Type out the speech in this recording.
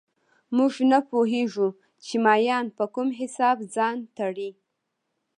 موږ نه پوهېږو چې مایان په کوم حساب ځان تړي